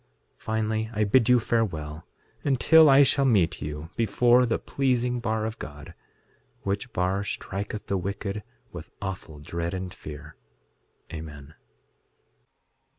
6:13 Finally, I bid you farewell, until I shall meet you before the pleasing bar of God, which bar striketh the wicked with awful dread and fear. Amen.